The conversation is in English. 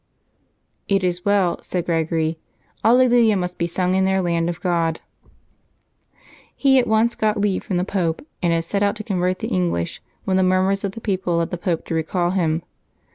'' ^'It is well," said Gregory; ^^ Alleluia must be sung in their land to God." He at once got leave from the Pope, and had set out to convert the English when the murmurs of the people led the Pope to recall him.